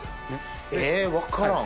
え分からん